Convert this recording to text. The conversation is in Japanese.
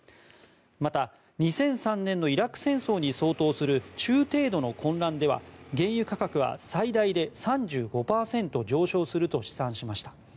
また、２００３年のイラク戦争に相当する中程度の混乱では、原油価格は最大で３５％上昇すると試算しました。